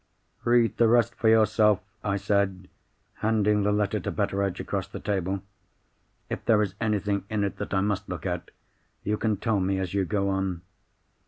"Read the rest for yourself," I said, handing the letter to Betteredge across the table. "If there is anything in it that I must look at, you can tell me as you go on."